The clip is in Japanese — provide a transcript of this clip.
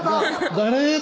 誰？